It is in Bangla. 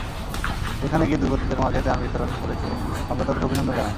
সেখানে গিয়ে দুর্গতদের মাঝে ত্রাণ বিতরণ করেছে, আমরা তাদের অভিনন্দন জানাই।